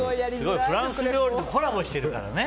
フランス料理とコラボしてるからね。